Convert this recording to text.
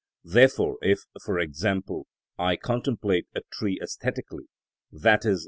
Therefore, if, for example, I contemplate a tree æsthetically, _i.e.